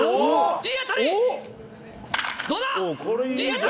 いい当たり！